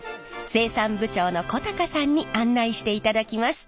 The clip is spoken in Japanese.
生産部長の小高さんに案内していただきます。